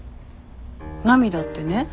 涙ってね